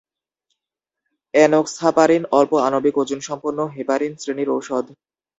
Enoxaparin স্বল্প আণবিক ওজন সম্পন্ন হেপারিন শ্রেণির ঔষধ।